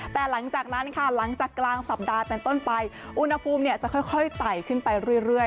แต่หลังจากนั้นค่ะหลังจากกลางสัปดาห์เป็นต้นไปอุณหภูมิจะค่อยไต่ขึ้นไปเรื่อย